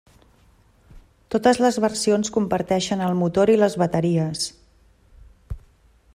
Totes les versions comparteixen el motor i les bateries.